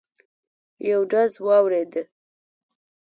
یو ډز واورېد.